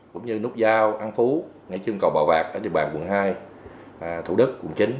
cũng như nút giao an phú ngay trên cầu bào vạc ở địa bàn quận hai thủ đức quận chín